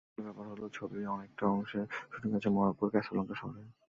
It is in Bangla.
কাকতালীয় ব্যাপার হলো ছবির অনেকটা অংশের শুটিং হয়েছে মরক্কোর ক্যাসাব্ল্যাঙ্কা শহরে।